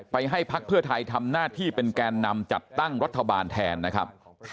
ให้พักเพื่อไทยทำหน้าที่เป็นแกนนำจัดตั้งรัฐบาลแทนนะครับ